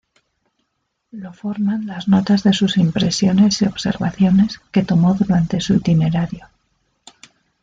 Lo forman las notas de sus impresiones y observaciones que tomó durante su itinerario.